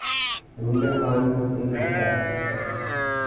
روی "i" یک نقطه است.